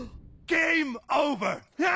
ゲーム・オーバーだ！